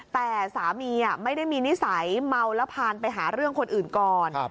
แต่สามีไม่ได้มีนิสัยเมาแล้วพานไปหาเรื่องคนอื่นก่อน